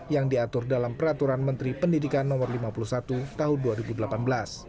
yang diatur dalam peraturan menteri pendidikan no lima puluh satu tahun dua ribu delapan belas